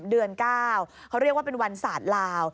เดือน๙เขาเรียกว่าเป็นวันศาสตร์ลาว